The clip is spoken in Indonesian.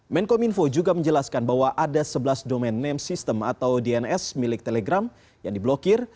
menkom info juga menjelaskan bahwa ada sebelas domain name system atau dns milik telegram yang diblokir